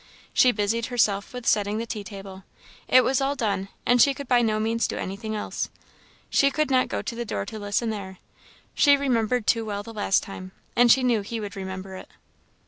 She busied herself with setting the tea table; it was all done; and she could by no means do anything else. She could not go to the door to listen there; she remembered too well the last time; and she knew he would remember it.